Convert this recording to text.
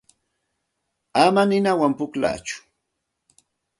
Ama ninawan pukllatsu.